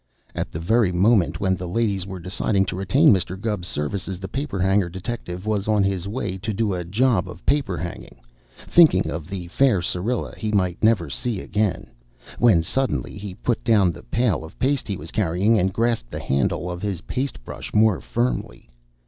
At the very moment when the ladies were deciding to retain Mr. Gubb's services the paper hanger detective was on his way to do a job of paper hanging, thinking of the fair Syrilla he might never see again, when suddenly he put down the pail of paste he was carrying and grasped the handle of his paste brush more firmly.